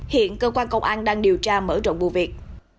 hiện cơ quan công an đang điều tra mở rộng vụ việc